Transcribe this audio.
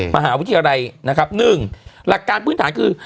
มหาวิทยาลัยนะครับ๑หลักการพื้นฐานคือ